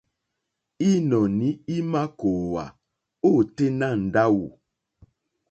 Ínɔ̀ní í mà kòòwá ôténá ndáwù.